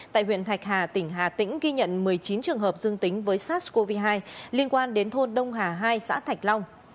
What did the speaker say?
tại huyện thạch hà tỉnh hà tĩnh ghi nhận một mươi chín trường hợp dương tính với sars cov hai liên quan đến thôn đông hà hai xã thạch long